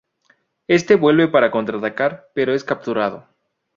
Este vuelve para contraatacar, pero es capturado.